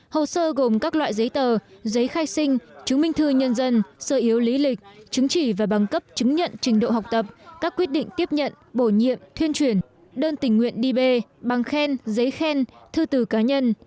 hồ sơ gồm các loại giấy tờ giấy khai sinh chứng minh thư nhân dân sơ yếu lý lịch chứng chỉ và bằng cấp chứng nhận trình độ học tập các quyết định tiếp nhận bổ nhiệm thuyên chuyển đơn tình nguyện đi về bằng khen giấy khen thư tử cá nhân